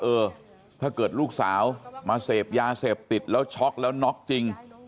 เออถ้าเกิดลูกสาวมาเสพยาเสพติดแล้วช็อกแล้วน็อกจริง